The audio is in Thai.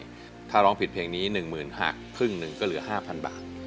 ถ้าเรียนร้องผิดเพลงนี้๑๐๐๐๐หากพึ่งหนึ่งก็เหลือ๕๐๐๐กระดาษบาท